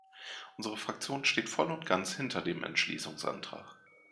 Unsere Fraktion steht voll und ganz hinter dem Entschließungsantrag.